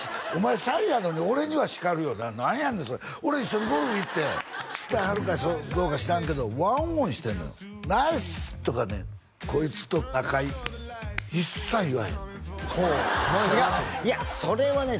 イやのに俺には叱るよな何やねんそれ俺一緒にゴルフ行って知ってはるかどうか知らんけどワンオンしてんのよ「ナイス！」とかねこいつと中居一切言わへんのよほう違ういやそれはね